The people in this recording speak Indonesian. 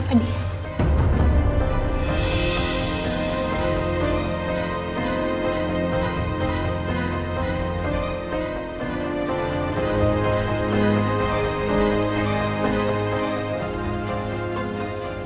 benda yang matang